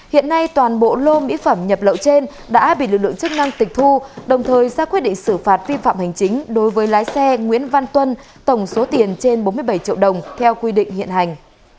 hiện nay toàn bộ lô mỹ phẩm nhập lậu trên đã bị lực lượng chức năng tịch thu đồng thời ra quyết định xử phạt vi phạm hành chính đối với lái xe nguyễn văn tuân tổng số tiền trên bốn mươi bảy triệu đồng theo quy định hiện hành